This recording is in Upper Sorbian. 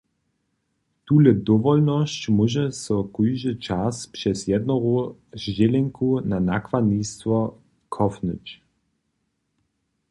Tule dowolnosć móže so kóždy čas přez jednoru zdźělenku na nakładnistwo cofnyć.